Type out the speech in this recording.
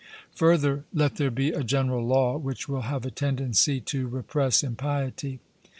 Further, let there be a general law which will have a tendency to repress impiety.